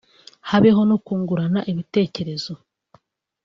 habeho no kungurana ibitekerezo